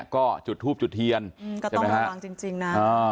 ก็จุดฮูบจุดเทียนอืมก็ต้องกำลังจริงจริงนะอ้อ